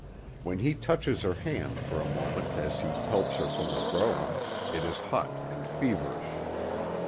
When he touches her hand for a moment as he helps her from the brougham, it is hot and feverish.